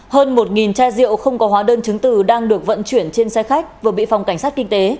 hơn một chai rượu không có hóa đơn chứng từ đang được vận chuyển trên xe khách vừa bị phòng cảnh sát kinh tế